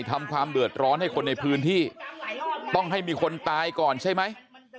ความเดือดร้อนให้คนในพื้นที่ต้องให้มีคนตายก่อนใช่ไหม